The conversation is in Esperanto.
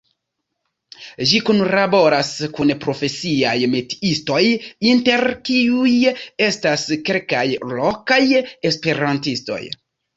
Ĝi kunlaboras kun profesiaj metiistoj, inter kiuj estas kelkaj lokaj esperantistoj.